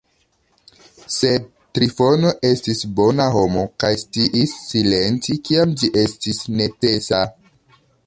Sed Trifono estis bona homo kaj sciis silenti, kiam ĝi estis necesa.